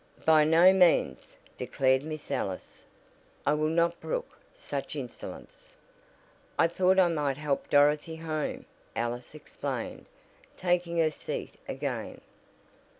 "By no means," declared Miss Ellis. "I will not brook such insolence." "I thought I might help Dorothy home," Alice explained, taking her seat again.